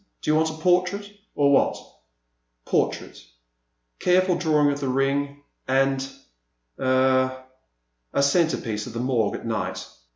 Do you want a portrait — or what ?*'Portrait, — careful drawing of the ring, and, — er — a centre piece of the Morgue at night.